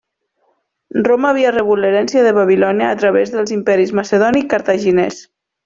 Roma havia rebut l'herència de Babilònia a través dels imperis Macedoni i Cartaginès.